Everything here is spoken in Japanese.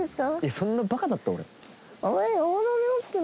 そんなバカだった？